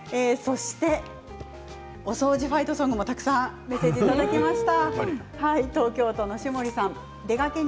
「お掃除ファイトソング」もたくさん寄せていただきました。